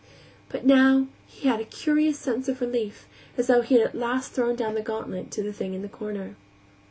But now he had a curious sense of relief, as though he had at last thrown down the gauntlet to the thing in the corner.